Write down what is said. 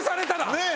ねえ。